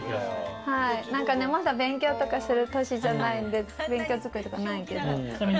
まだ勉強とかする歳じゃないんで、勉強机とかはないけど。